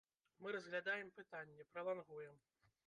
Мы разглядаем пытанне, пралангуем.